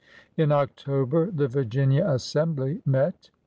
In October the Virginia Assembly met.